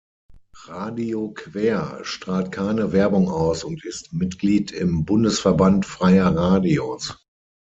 Radio Quer strahlt keine Werbung aus und ist Mitglied im Bundesverband Freier Radios.